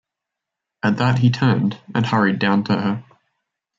At that he turned and hurried down to her.